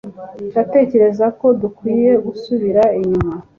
Ndatekereza ko dukwiye gusubira inyuma